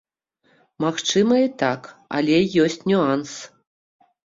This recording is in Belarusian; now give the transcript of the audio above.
Магчыма і так, але ёсць нюанс.